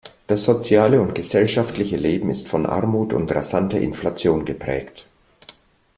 Das soziale und gesellschaftliche Leben ist von Armut und rasanter Inflation geprägt.